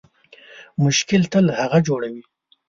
مشکل تل هغه جوړوي